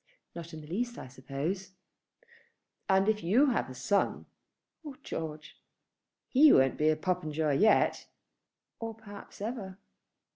"Not in the least I suppose." "And if you have a son " "Oh, George?" "He won't be Popenjoy yet." "Or perhaps ever."